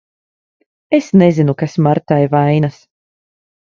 Es nezinu, kas Martai vainas.